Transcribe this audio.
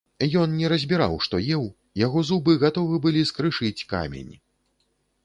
Ён не разбіраў, што еў, яго зубы гатовы былі скрышыць камень.